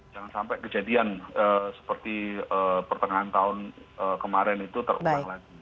jangan sampai kejadian seperti pertengahan tahun kemarin itu terulang lagi